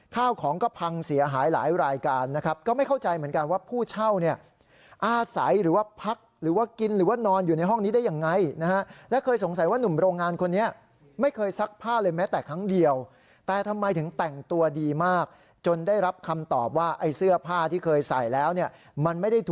ข้าวของก็พังเสียหายหลายรายการนะครับก็ไม่เข้าใจเหมือนกันว่าผู้เช่าเนี่ยอาศัยหรือว่าพักหรือว่ากินหรือว่านอนอยู่ในห้องนี้ได้ยังไงนะฮะและเคยสงสัยว่าหนุ่มโรงงานคนนี้ไม่เคยซักผ้าเลยแม้แต่ครั้งเดียวแต่ทำไมถึงแต่งตัวดีมากจนได้รับคำตอบว่าไอ้เสื้อผ้าที่เคยใส่แล้วเนี่ยมันไม่ได้ท